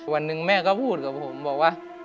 วันหนึ่งแม่ก็พูดกับผมบอกว่า